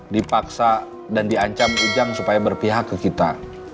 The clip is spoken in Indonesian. dipaksa dan diancam ujang supaya berpihak ke kita